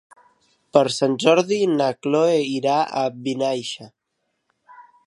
Per Sant Jordi na Cloè irà a Vinaixa.